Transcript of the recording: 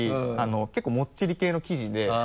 結構もっちり系の生地で。